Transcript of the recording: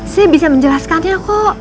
saya bisa menjelaskannya kok